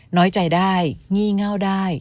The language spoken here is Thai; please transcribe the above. น้อยใจได้งี่เง่าได้